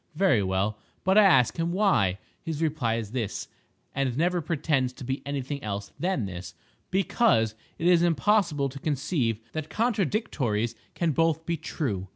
Very well; but I ask him why. His reply is this—and never pretends to be any thing else than this—"Because it is impossible to conceive that contradictories can both be true."